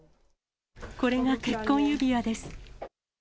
これが結婚指輪です。